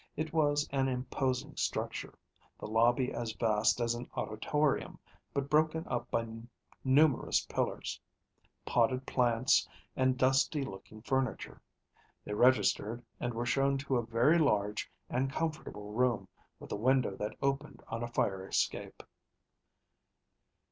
It was an imposing structure, the lobby as vast as an auditorium but broken up by numerous pillars, potted plants, and dusty looking furniture. They registered and were shown to a very large and comfortable room with a window that opened on a fire escape.